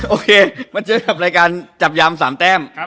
โอเคมาเจอกับรายการจับยาม๓แต้ม